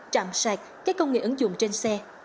trạm sạc các công nghệ ứng dụng trên xe